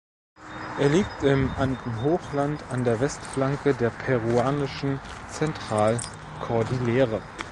Er liegt im Andenhochland an der Westflanke der peruanischen Zentralkordillere.